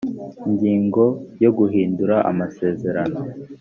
ingingo ya guhindura amasezerano